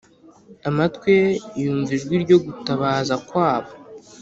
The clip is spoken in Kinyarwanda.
amatwi ye yumva ijwi ryo gutabaza kwabo